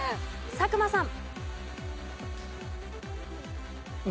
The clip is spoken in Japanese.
佐久間さん。